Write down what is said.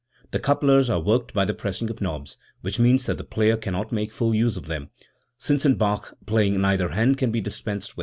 The couplers are worked by the pressing of knobs, which means that the player cannot make full use of them, since in Bach playing neither hand can be dispensed with.